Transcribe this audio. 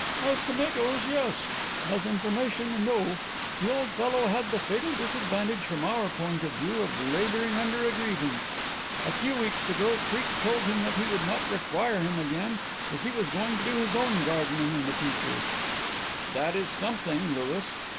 "As tomatoes, yes; as information, no. The old fellow had the fatal disadvantage from our point of view of labouring under a grievance. A few weeks ago Creake told him that he would not require him again as he was going to do his own gardening in future." "That is something, Louis."